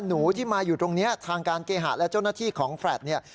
หนูที่มาอยู่ตรงนี้ทางการเคหะและเจ้าหน้าที่ของแฟลตเนี่ย